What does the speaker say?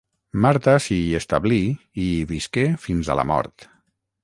Marta s'hi establí i hi visqué fins a la mort.